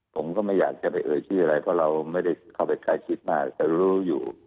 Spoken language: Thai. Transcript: ผมก็ไม่อยากจะไปเอ่ยชื่ออะไรเพราะเราไม่ได้เข้าไปใกล้ชิดมากแต่รู้อยู่